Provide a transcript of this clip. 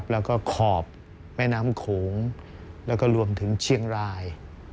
แล้วก็ขอบแม่น้ำโขงแล้วก็รวมถึงเชียงราย